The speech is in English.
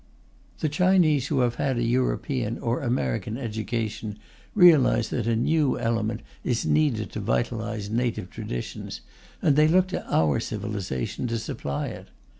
The Chinese who have had a European or American education realize that a new element, is needed to vitalize native traditions, and they look to our civilization to supply it.